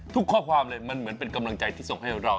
ข้อความเลยมันเหมือนเป็นกำลังใจที่ส่งให้เรา